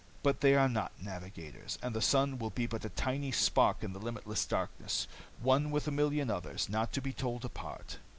But they are not navigators, and the sun will be but a tiny spark in the limitless darkness, one with a million others, not to be told apart.